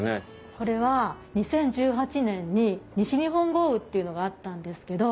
これは２０１８年に西日本豪雨っていうのがあったんですけど。